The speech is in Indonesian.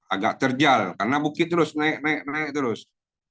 agak terjal karena bukit terus naik naik naik terus